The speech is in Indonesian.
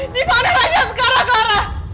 dimana raja sekarang karan